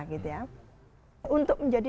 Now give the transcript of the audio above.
gitu ya untuk menjadi